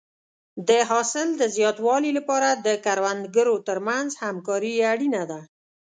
د حاصل د زیاتوالي لپاره د کروندګرو ترمنځ همکاري اړینه ده.